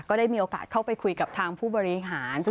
ได้มีโอกาสเข้าไปคุยกับทางผู้บริหาร